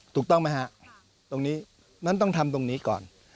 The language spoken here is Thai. ถูกต้องไหมฮะตรงนี้นั้นต้องทำตรงนี้ก่อน